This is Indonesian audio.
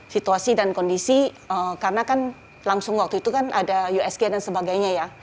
situasi dan kondisi karena kan langsung waktu itu kan ada usg dan sebagainya ya